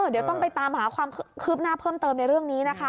เดี๋ยวต้องไปตามหาความคืบหน้าเพิ่มเติมในเรื่องนี้นะคะ